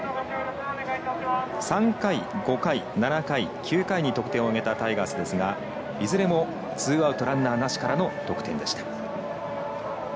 ３回、５回、７回、９回に得点を挙げたタイガースですがいずれもツーアウトランナーなしからの得点でした。